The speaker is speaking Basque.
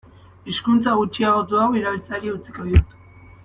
Hizkuntza gutxiagotu hau erabiltzeari utziko diot.